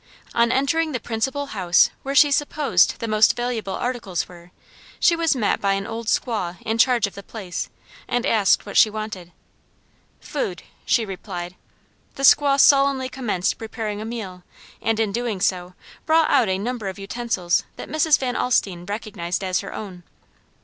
On entering the principal house where she supposed the most valuable articles were, she was met by an old squaw in charge of the place and asked what she wanted. "Food," she replied; the squaw sullenly commenced preparing a meal and in doing so brought out a number of utensils that Mrs. Van Alstine recognized as her own.